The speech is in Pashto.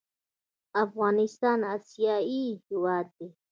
افغانستان اسیایي هېواد دی.